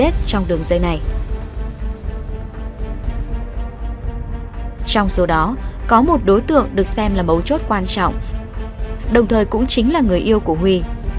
trong số đó có một đối tượng được xem là mấu chốt quan trọng đồng thời cũng chính là người yêu của huy